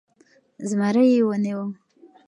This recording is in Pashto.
زمری يې و نيوی .